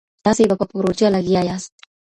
تاسي به په پروژه لګيا ياست.